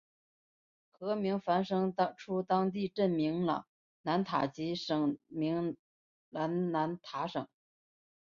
河名衍生出当地镇名琅南塔及省名琅南塔省。